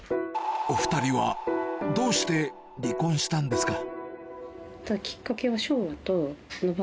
お２人はどうして離婚したんですか？